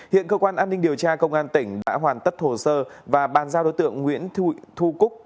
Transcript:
hiện cơ quan an ninh điều tra công an tỉnh đã hoàn tất hồ sơ và bàn giao đối tượng nguyễn thu cúc